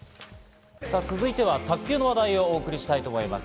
続いては卓球の話題をお送りしたいと思います。